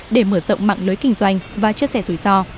để mở rộng mạng lưới kinh doanh và chia sẻ rủi ro